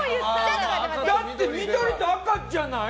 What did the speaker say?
だって、緑と赤じゃない？